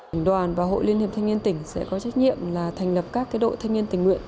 tỉnh đoàn và hội liên hiệp thanh niên tỉnh sẽ có trách nhiệm là thành lập các đội thanh niên tình nguyện